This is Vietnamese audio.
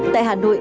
tại hà nội